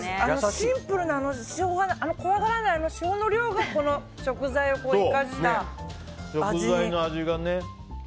シンプルな味怖がらない塩の量がこの食材を生かした味に。